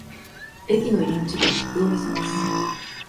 駅の入口で切符を見せます。